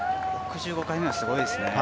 ６５回目はすごいですね。